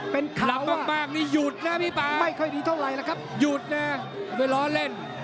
เป็นดูดถึงได้ล้อเล่น